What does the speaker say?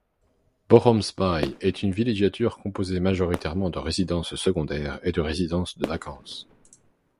Boggomsbaai est une villégiature composé majoritairement de résidences secondaires et de résidences de vacances.